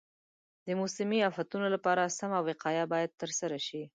د موسمي افتونو لپاره سمه وقایه باید ترسره شي.